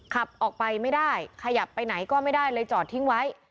ขับออกไปไม่ได้ขยับไปไหนก็ไม่ได้เลยจอดทิ้งไว้